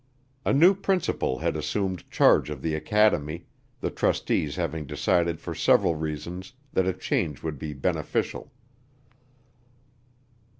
A new principal had assumed charge of the academy, the trustees having decided for several reasons that a change would be beneficial.